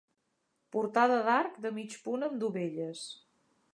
Portada d'arc de mig punt amb dovelles.